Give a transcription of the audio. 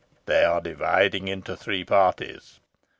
They are dividing into three parties.